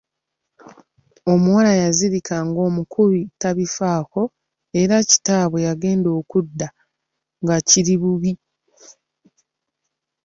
Omuwala yazirika ng’omukubi tabifaako era kitaabwe okugenda okudda nga kiri bubi.